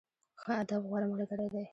ښه ادب، غوره ملګری دی.